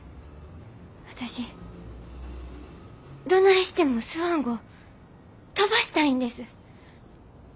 私どないしてもスワン号飛ばしたいんです。